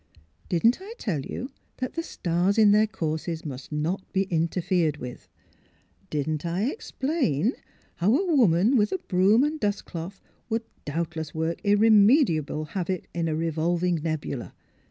" Didn't I tell you that the stars in their courses must not be interfered with? Didn't I explain how a woman with a broom and dustcloth would doubtless work irremediable havoc in a revolving nebula?